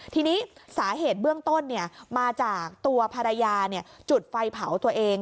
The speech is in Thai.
ทีนี้สาเหตุเบื้องต้นมาจากตัวภรรยาจุดไฟเผาตัวเอง